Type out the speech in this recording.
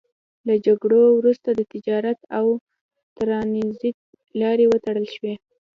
له جګړو وروسته د تجارت او ترانزیت لارې وتړل شوې.